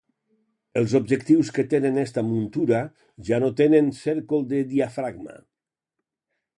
Els objectius que tenen esta muntura ja no tenen cércol de diafragma.